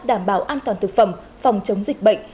đảm bảo an toàn thực phẩm phòng chống dịch bệnh